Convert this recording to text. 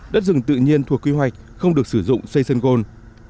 đất rừng tự nhiên thuộc quy hoạch không được sử dụng xây sun gold